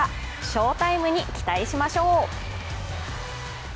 翔タイムに期待しましょう。